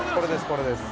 これです